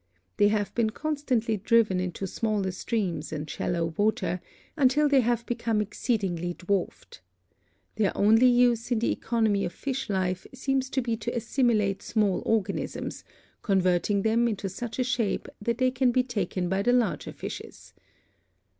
They have been constantly driven into smaller streams and shallow water, until they have become exceedingly dwarfed. Their only use in the economy of fish life seems to be to assimilate small organisms, converting them into such shape that they can be taken by the larger fishes.